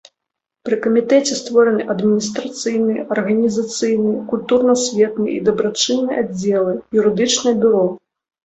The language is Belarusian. Пры камітэце створаны адміністрацыйны, арганізацыйны, культурна-асветны і дабрачынны аддзелы, юрыдычнае бюро.